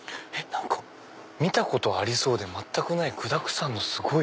何か見たことありそうで全くない具だくさんのすごい。